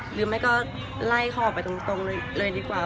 หรือไม่ก็ไล่เขาออกไปตรงเลยดีกว่า